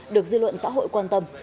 được dư luận xã hội quan tâm